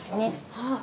はい。